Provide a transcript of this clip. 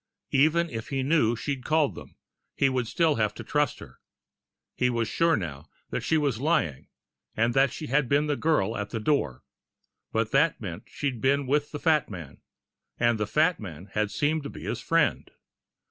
Even if he knew she'd called them, he would still have to trust her. He was sure now that she was lying, and that she had been the girl at the door but that meant she'd been with the fat man. And the fat man had seemed to be his friend.